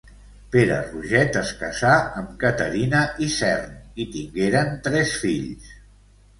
Pere Roget es casà amb Caterina Isern i tingueren tres fills: